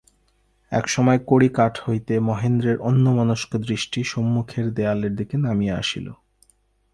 একসময় কড়িকাঠ হইতে মহেন্দ্রের অন্যমনস্ক দৃষ্টি সম্মুখের দেয়ালের দিকে নামিয়া আসিল।